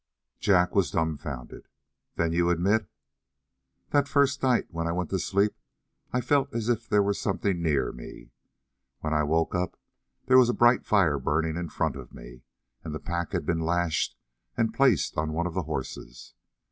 Jack was dumbfounded. "Then you admit " "That first night when I went to sleep I felt as if there were something near me. When I woke up there was a bright fire burning in front of me and the pack had been lashed and placed on one of the horses.